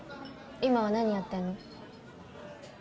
今は何やってんの？